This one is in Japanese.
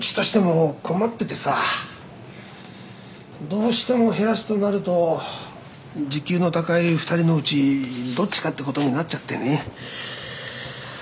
どうしても減らすとなると時給の高い２人のうちどっちかってことになっちゃってね。